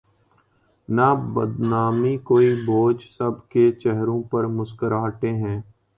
نہ بدنامی کوئی بوجھ سب کے چہروں پر مسکراہٹیں ہیں۔